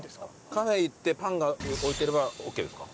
カフェ行ってパンが置いてればオーケーですか？